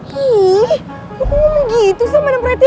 hiiih lu ngomong gitu sama madam prati